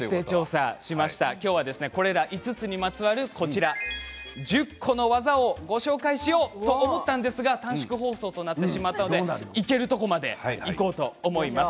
今日はこれら５つにまつわる１０個の技をご紹介しようと思ったんですが短縮放送となってしまったのでいけるところまでいこうと思います。